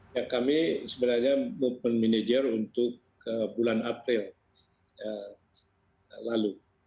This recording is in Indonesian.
ya kami sebenarnya movement manager untuk bulan april lalu